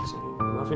lagi apa ya fil